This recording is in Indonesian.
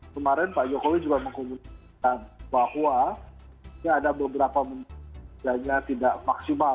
kemarin pak jokowi juga mengkomunikasikan bahwa ini ada beberapa menurut saya kerjanya tidak maksimal